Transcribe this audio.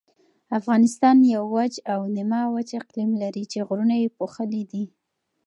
افغانستان یو وچ او نیمه وچ اقلیم لري چې غرونه یې پوښلي دي.